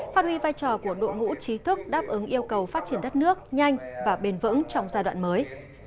phát huy vai trò của đội ngũ trí thức đáp ứng yêu cầu phát triển đất nước nhanh và bền vững trong giai đoạn mới